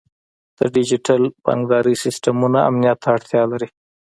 د ډیجیټل بانکدارۍ سیستمونه امنیت ته اړتیا لري.